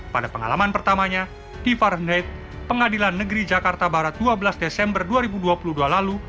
pada pengalaman pertamanya di farheit pengadilan negeri jakarta barat dua belas desember dua ribu dua puluh dua lalu